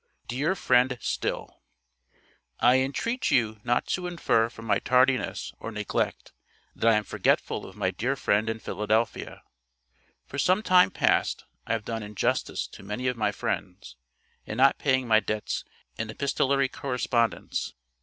DEAR FRIEND STILL: I entreat you not to infer from my tardiness or neglect, that I am forgetful of my dear friend in Philadelphia. For some time past I have done injustice to many of my friends, in not paying my debts in epistolary correspondence.